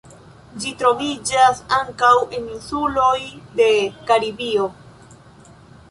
Ĝi troviĝas ankaŭ en insuloj de Karibio.